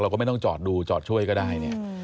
เราก็ไม่ต้องจอดดูจอดช่วยก็ได้